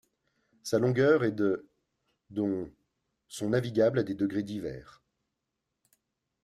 Sa longueur est de dont sont navigables à des degrés divers.